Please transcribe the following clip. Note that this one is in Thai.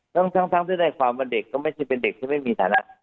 ทั้งที่ได้ความว่าเด็กก็ไม่ใช่เป็นเด็กที่ไม่มีฐานะ